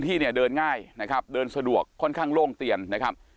ที่เนี่ยเดินง่ายนะครับเดินสะดวกค่อนข้างโล่งเตียนนะครับ